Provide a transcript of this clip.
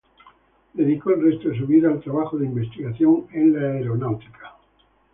Dedicó el resto de su vida al trabajo de investigación en aeronáutica.